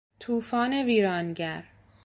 توفان ویرانگر